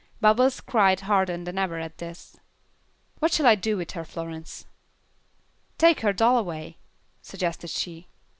Bubbles cried harder than ever at this. "What shall I do with her, Florence?" "Take her doll away," suggested she.